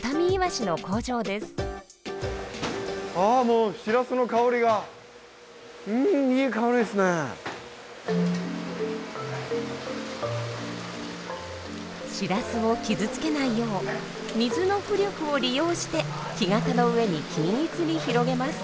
シラスを傷つけないよう水の浮力を利用して木型の上に均一に広げます。